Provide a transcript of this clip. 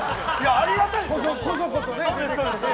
ありがたいです。